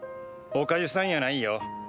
おかゆさんやないよ。